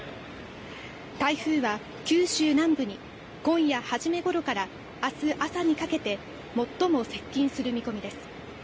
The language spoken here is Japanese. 台風は九州南部に今夜初めごろから明日朝にかけて最も接近する見込みです。